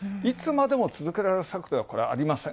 いつまでも続けられる策ではありません。